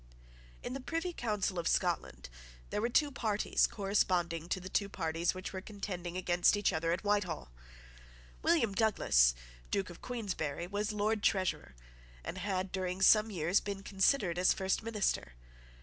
In the Privy Council of Scotland there were two parties corresponding to the two parties which were contending against each other at Whitehall. William Douglas, Duke of Queensberry, was Lord Treasurer, and had, during some years, been considered as first minister.